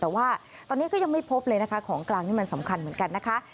แต่ว่าตอนนี้ก็ยังไม่พบเลยนะคะของกลางนี่มันสำคัญเหมือนกันนะคะ